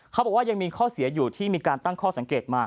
เขาบอกว่ายังมีข้อเสียอยู่ที่มีการตั้งข้อสังเกตมา